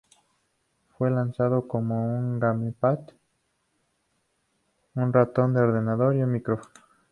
Fue lanzado con un gamepad, un ratón de ordenador y un micrófono.